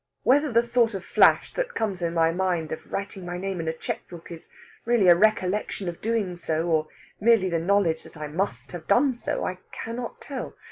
"Whether the sort of flash that comes in my mind of writing my name in a cheque book is really a recollection of doing so, or merely the knowledge that I must have done so, I cannot tell.